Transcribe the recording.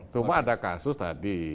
cuma ada kasus tadi